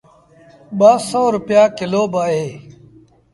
ٻآسو رپيآ ڪلو با اهي۔